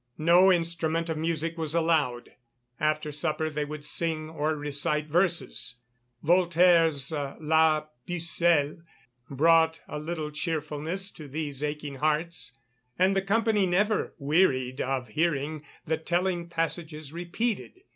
No instrument of music was allowed. After supper they would sing, or recite verses. Voltaire's La Pucelle brought a little cheerfulness to these aching hearts, and the company never wearied of hearing the telling passages repeated.